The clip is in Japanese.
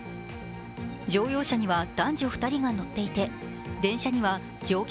乗用車には男女２人が乗っていて電車には乗客